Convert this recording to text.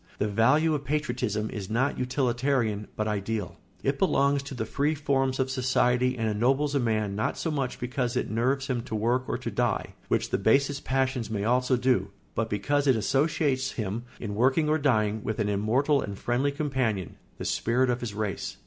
The value of patriotism is not utilitarian, but ideal. It belongs to the free forms of society and ennobles a man not so much because it nerves him to work or to die, which the basest passions may also do, but because it associates him, in working or dying, with an immortal and friendly companion, the spirit of his race.